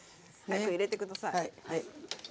早く入れて下さい。